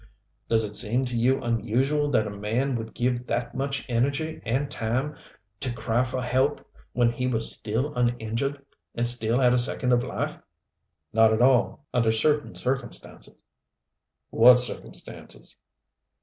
Does it seem to you unusual that a man would give that much energy and time to cry for help when he was still uninjured, and still had a second of life." "Not at all under certain circumstances." "What circumstances?"